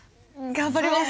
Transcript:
頑張ります。